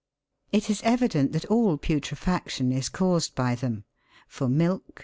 It is evident that all putrefaction is caused by them ; for milk, meat, &c.